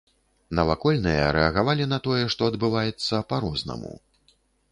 Навакольныя рэагавалі на тое, што адбываецца, па-рознаму.